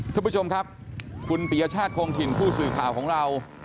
ทุกผู้ชมครับคุณปียชาติคงถิ่นผู้สื่อข่าวของเรา